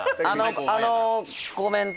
あのコメント